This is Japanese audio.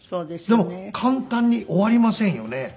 でも簡単に終わりませんよね。